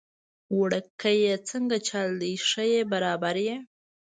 وړکیه څنګه چل دی، ښه يي برابر يي؟